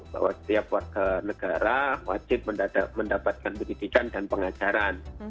bahwa setiap warga negara wajib mendapatkan pendidikan dan pengajaran